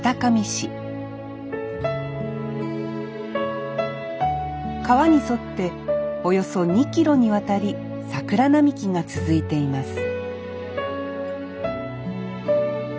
市川に沿っておよそ２ｋｍにわたり桜並木が続いています